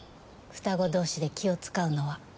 双子同士で気を使うのは。